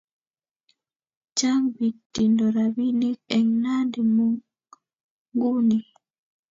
Chang pik tindo rapinik en Nandi nguni.